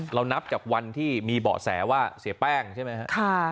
นับจากวันที่มีเบาะแสว่าเสียแป้งใช่ไหมครับ